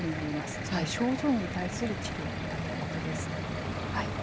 つまり症状に対する治療だということです。